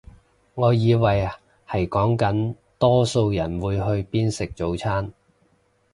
我以為係講緊多數人會去邊食早餐